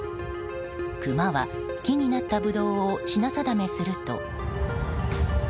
クマは木になったブドウを品定めすると。